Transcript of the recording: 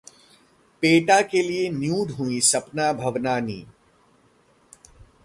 PETA के लिए nude हुई सपना भावनानी